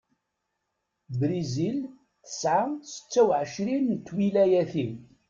Brizil tespwa setta-uɛerin n twilayatin.